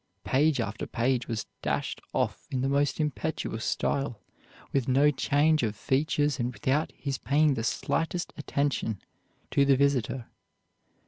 Page after page was dashed off in the most impetuous style, with no change of features and without his paying the slightest attention to the visitor.